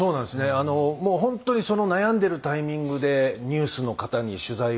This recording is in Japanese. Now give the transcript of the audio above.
あのもう本当に悩んでるタイミングでニュースの方に取材を受けて。